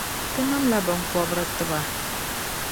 Ti namla binkɔbiri n-ti ba.